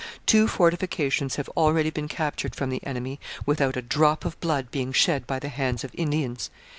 Two fortifications have already been captured from the enemy without a drop of blood being shed by the hands of Indians.